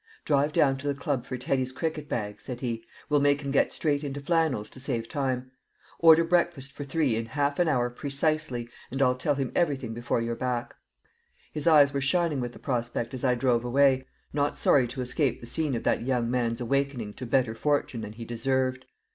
"Drive down to the club for Teddy's cricket bag," said he; "we'll make him get straight into flannels to save time. Order breakfast for three in half an hour precisely, and I'll tell him everything before you're back." His eyes were shining with the prospect as I drove away, not sorry to escape the scene of that young man's awakening to better fortune than he deserved.